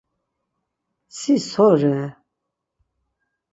Si so re?